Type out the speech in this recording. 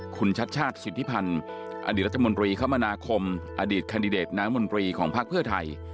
คุณชัดชาติสิทธิพันธ์อดีตรัฐมนตรีคมนาคมอดีตแคนดิเดตน้ำมนตรีของพักเพื่อไทย